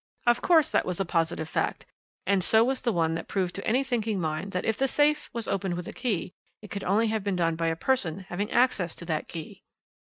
Of course that was a positive fact, and so was the one that proved to any thinking mind that if that safe was opened with a key, it could only have been done by a person having access to that key."